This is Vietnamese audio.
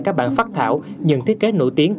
các bản phát thảo những thiết kế nổi tiếng